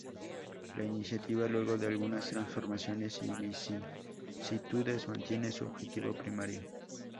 La iniciativa, luego de algunas transformaciones y vicisitudes, mantiene su objetivo primario.